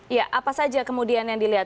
ya apa saja kemudian yang dilihat